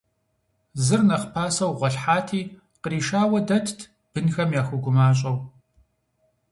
Зыр нэхъ пасэу гъуэлъхьати, къришауэ дэтт, бынхэм яхуэгумащӀэу.